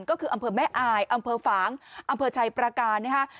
ก็คืออำเภอแม่อายอำเภอฝางอำเภอชัยประการนะฮะ